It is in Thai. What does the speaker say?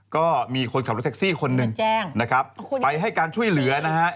ก็มีคนขับรถแท็กซี่คนนึงไปให้การช่วยเหลือนะฮะ